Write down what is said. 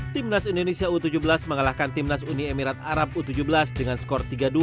timnas indonesia u tujuh belas mengalahkan timnas uni emirat arab u tujuh belas dengan skor tiga dua